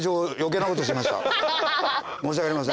申し訳ありません。